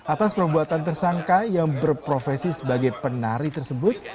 atas perbuatan tersangka yang berprofesi sebagai penari tersebut